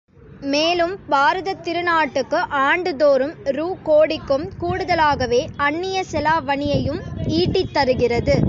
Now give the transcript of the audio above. மேலும், பாரதத் திருநாட்டுக்கு ஆண்டுதோறும் ரூ. கோடிக்கும் கூடுதலாகவே அந்நியச் செலாவணியையும் ஈட்டித் தருகிறது.